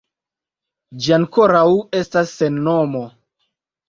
Ĝi ankoraŭ restas sen nomo.